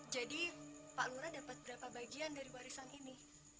jadi pak lura dapat berapa bagian dari warisan ini